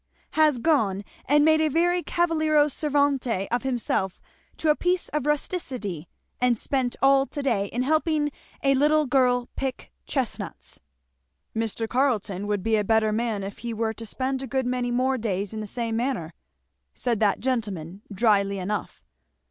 _ has gone and made a very cavaliero servante of himself to a piece of rusticity, and spent all to day in helping a little girl pick up chestnuts!" "Mr. Carleton would be a better man if he were to spend a good many more days in the same manner," said that gentleman, dryly enough.